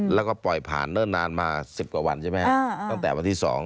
แล้วก็ปล่อยผ่านเพื่อนนานมา๑๐กว่าวันใช่ไหมตั้งแต่ว่าวิธี๒